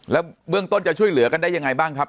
แล้วเบื้องต้นจะช่วยเหลือกันได้ยังไงบ้างครับ